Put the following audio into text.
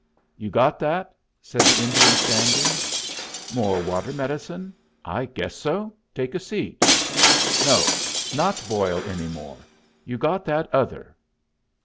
"You got that?" said the Indian, standing. "More water medicine? I guess so. Take a seat." "No, not boil any more. You got that other?"